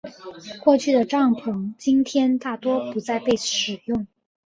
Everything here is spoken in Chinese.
过去的帐篷今天大多不再被使用。